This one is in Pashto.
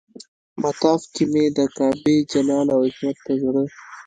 مطاف کې مې د کعبې جلال او عظمت ته زړه.